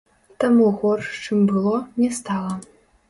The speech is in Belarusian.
Таму горш, чым было, не стала.